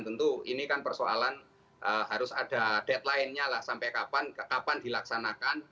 tentu ini kan persoalan harus ada deadline nya lah sampai kapan dilaksanakan